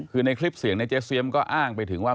คือในคลิปเสียงในเจเซียมก็อ้างไปถึงว่า